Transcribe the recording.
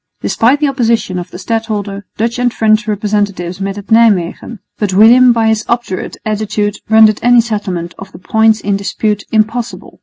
Despite the opposition of the stadholder, Dutch and French representatives met at Nijmwegen; but William by his obdurate attitude rendered any settlement of the points in dispute impossible.